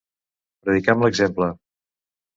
Predicar amb l'exemple.